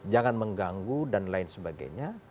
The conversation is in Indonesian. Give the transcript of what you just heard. jangan mengganggu dan lain sebagainya